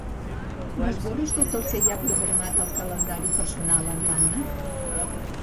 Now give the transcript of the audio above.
M'esborres tot el que hi ha programat al calendari personal amb l'Anna?